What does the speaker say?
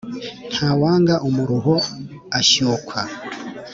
Ntawanga umuruho ashyukwa.